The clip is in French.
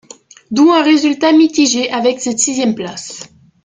D'où un résultat mitigé avec cette sixième place.